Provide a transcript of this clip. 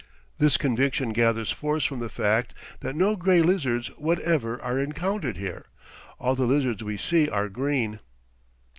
This conviction gathers force from the fact that no gray lizards whatever are encountered here; all the lizards we see are green.